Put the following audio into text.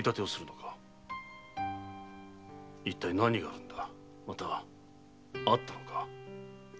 一体何があるのかまたあったのか？